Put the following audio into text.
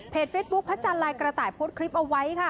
เพจเฟสบุ๊คพระจันลายกระไต่พดคลิปเอาไว้ค่ะ